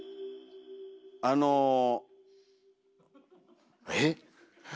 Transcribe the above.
あのえっ？